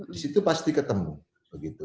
di situ pasti ketemu